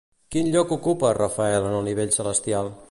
Quin lloc ocupa Rafael en el nivell celestial?